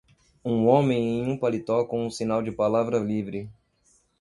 Um homem em um paletó com um sinal de "palavra livre".